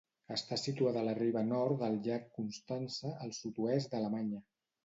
Està situada a la riba nord del llac Constança, al sud-oest d'Alemanya.